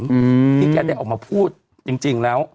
ที่แกได้ออกมาพูดจริงแล้ว